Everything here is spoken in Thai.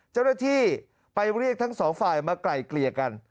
เจ้าหน้าที่ไปเรียกทั้งสองฝ่ายมาไกลเกลี่ยกัน